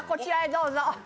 どうぞ。